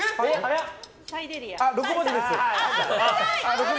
６文字です。